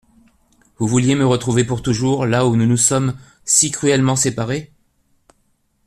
Vous vouliez me retrouver pour toujours là où nous nous sommes si cruellement séparés.